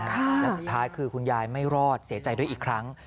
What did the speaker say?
แล้วสุดท้ายคือคุณยายไม่รอดเสียใจด้วยอีกครั้ง